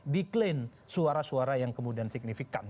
deklain suara suara yang kemudian signifikan